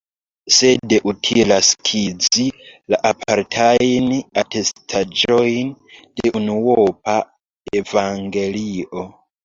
Sed utilas skizi la apartajn atestaĵojn de unuopa evangelio.